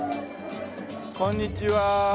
こんにちは。